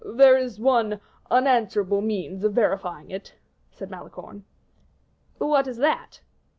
"There is one unanswerable means of verifying it," said Malicorne. "What is that?"